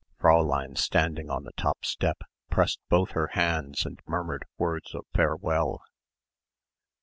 Fräulein standing on the top step pressed both her hands and murmured words of farewell.